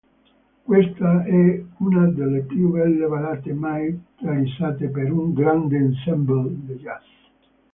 Questa è una delle più belle ballate mai realizzate per un "grande ensemble" jazz.